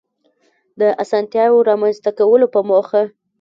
د آسانتیاوو رامنځته کولو په موخه